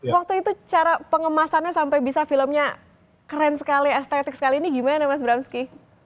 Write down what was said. waktu itu cara pengemasannya sampai bisa filmnya keren sekali estetik sekali ini gimana mas bramski